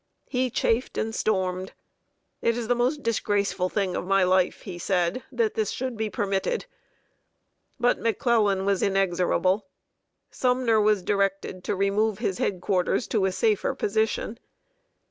He chafed and stormed: "It is the most disgraceful thing of my life," he said, "that this should be permitted." But McClellan was inexorable. Sumner was directed to remove his head quarters to a safer position.